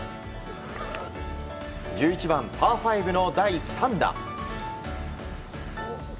１１番、パー５の第３打。